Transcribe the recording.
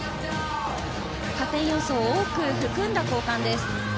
加点要素を多く含んだ交換です。